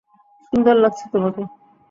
সুন্দর লাগছে তোমাকে।